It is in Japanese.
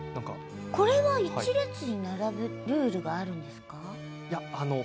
これは１列に並ぶルールがあるんですか。